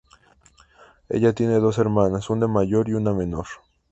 Ella tiene dos hermanas, una mayor y una menor.